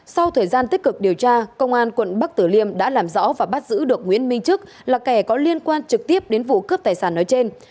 sau thời gian tích cực điều tra công an quận bắc tử liêm đã làm rõ và bắt giữ được nguyễn minh chức là kẻ có liên quan trực tiếp đến vụ cướp tài sản nói trên